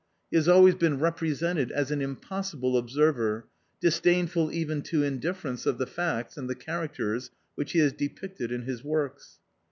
He has always been represented as an impossible observer, disdainful even to indifference of the facts and the cha racters which he has depicted in his works.